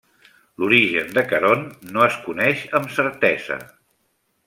L'origen de Caront no es coneix amb certesa.